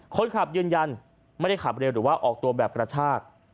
คนขับยืนยันไม่ได้ขับเร็วหรือว่าออกตัวแบบกระชาก